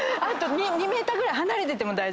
２ｍぐらい離れてても大丈夫。